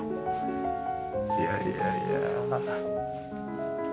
いやいやいや。